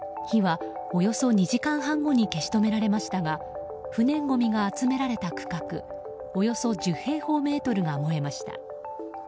火はおよそ２時間半後に消し止められましたが不燃ごみが集められた区画およそ１０平方メートルが燃えました。